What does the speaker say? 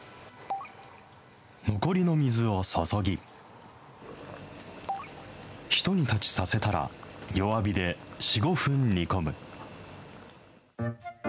残りの水を注ぎ、ひと煮立ちさせたら、弱火で４、５分煮込む。